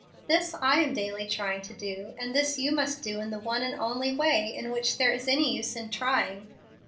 This I am daily trying to do, and this you must do in the one and only way in which there is any use in trying.